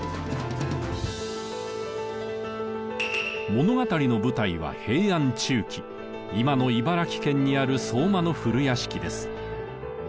物語の舞台は平安中期今の茨城県にある相馬の古屋敷です。